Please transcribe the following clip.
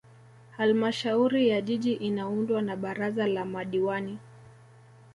Halmashauri ya Jiji inaundwa na Baraza la Madiwani